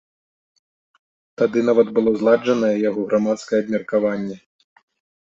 Тады нават было зладжанае яго грамадскае абмеркаванне.